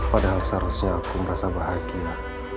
padahal seharusnya aku merasa bahagia